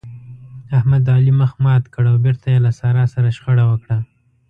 احمد د علي مخ مات کړ او بېرته يې له سارا سره شخړه وکړه.